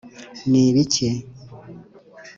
ni ibiki?”